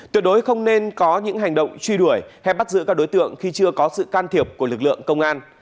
tuyệt đối không nên có những hành động truy đuổi hay bắt giữ các đối tượng khi chưa có sự can thiệp của lực lượng công an